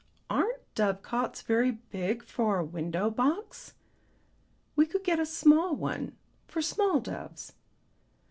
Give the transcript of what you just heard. "Aren't dove cots very big for a window box?" "We could get a small one for small doves.